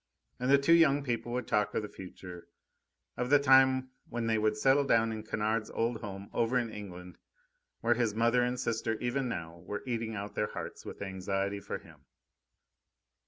And the two young people would talk of the future, of the time when they would settle down in Kennard's old home, over in England, where his mother and sister even now were eating out their hearts with anxiety for him.